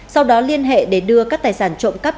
sau đó liên hệ để đưa các tài sản trộm cắp